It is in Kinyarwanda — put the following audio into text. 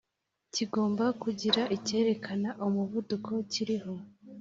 kigomba kugira icyerekana umuvuduko kiriho